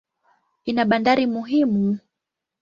Ina bandari muhimu.